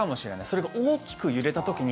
それが大きく揺れた時に。